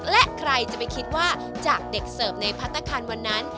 และใครจะไปคิดว่าจากเด็กเสิร์ฟในพัฒนาคารวันนั้น